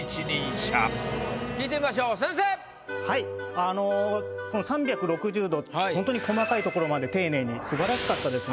あのこの３６０度ほんとに細かい所まで丁寧に素晴らしかったですね。